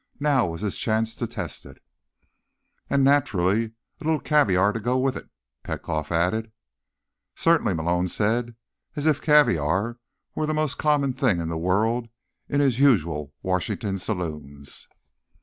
Now was his chance to test it. "And, naturally, a little caviar to go with it," Petkoff added. "Certainly," Malone said, as if caviar were the most common thing in the world in his usual Washington saloons.